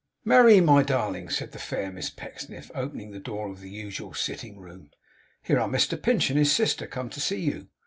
'Merry, my darling!' said the fair Miss Pecksniff, opening the door of the usual sitting room. 'Here are Mr Pinch and his sister come to see you!